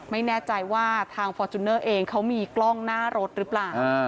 ไม่แน่ใจว่าทางฟอร์จูเนอร์เองเขามีกล้องหน้ารถหรือเปล่า